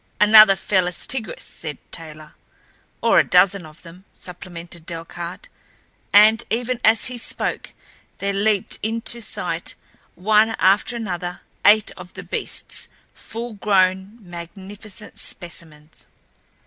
"Another Felis tigris," said Taylor. "Or a dozen of them," supplemented Delcarte, and, even as he spoke, there leaped into sight, one after another, eight of the beasts, full grown—magnificent specimens.